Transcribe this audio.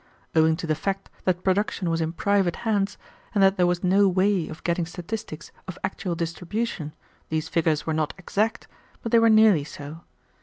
Owing to the fact that production was in private hands, and that there was no way of getting statistics of actual distribution, these figures were not exact, but they were nearly so.